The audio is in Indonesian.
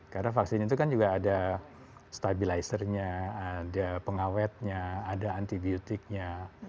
karena vaksin itu kan juga ada stabilisernya ada pengawetnya ada antibiotiknya